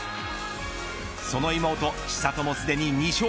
その妹、千怜もすでに２勝。